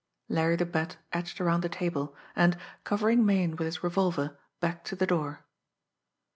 Larry the Bat edged around the table, and, covering Meighan with his revolver, backed to the door.